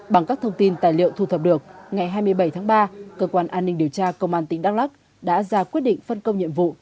bằng các thông tin tài liệu thu thập được ngày hai mươi bảy tháng ba cơ quan an ninh điều tra công an tỉnh đắk lắc đã ra quyết định phân công nhiệm vụ